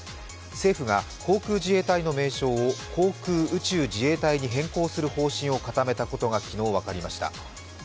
政府が航空自衛隊の名称を航空宇宙自衛隊に変更する方針を固めたことが昨日分かりました。